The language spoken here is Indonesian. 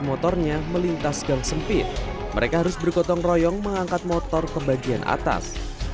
motornya melintas gang sempit mereka harus bergotong royong mengangkat motor ke bagian atas